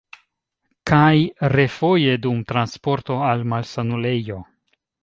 Kaj refoje dum transporto al malsanulejo.